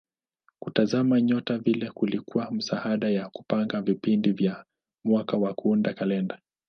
Kutazama nyota vile kulikuwa msaada wa kupanga vipindi vya mwaka na kuunda kalenda.